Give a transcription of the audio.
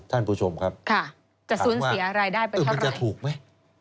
ท่านผู้ชมครับค่ะจะสูญเสียรายได้ไปเท่าไหร่ถูกไหม